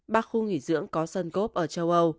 ba khu nghỉ dưỡng có sân gốc ở chicago